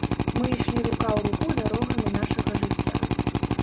Мы ішлі рука ў руку дарогамі нашага жыцця.